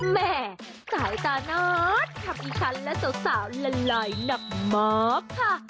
แม่สายตานอดทำอีฉันและสาวละลอยหนักมากค่ะ